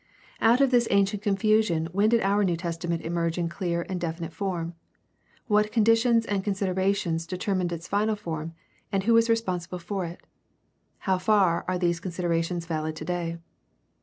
Out of this ancient confusion when did our New Testament emerge in clear and definite form ? What conditions and considerations determined its final form, and who was respon sible for it ? How far are those considerations valid today